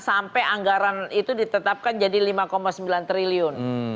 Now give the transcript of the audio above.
sampai anggaran itu ditetapkan jadi rp lima sembilan triliun